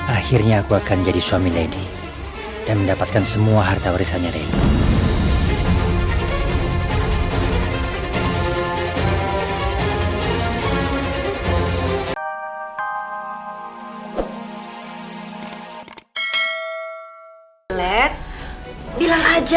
akhirnya aku akan jadi suami lady dan mendapatkan semua harta warisannya reni